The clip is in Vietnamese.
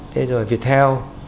thế rồi viettel